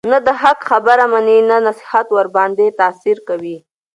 نه د حق خبره مني، نه نصيحت ورباندي تأثير كوي،